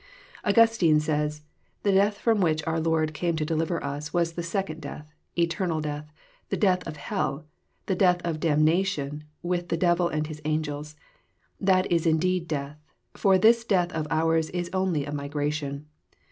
Augustine says :<* The death fV*om which our Lord came to deliver us was the second death, eternal death, the death of hell, the death of damnation with the devil and his angels. That is indeed death ; for this death of ours is only a migration.